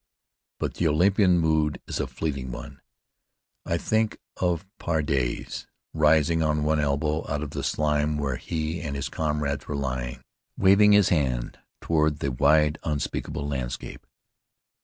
But the Olympian mood is a fleeting one. I think of Paradis rising on one elbow out of the slime where he and his comrades were lying, waving his hand toward the wide, unspeakable landscape.